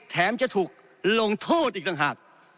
แถมจะถูกลงโทษอีกต่างหาก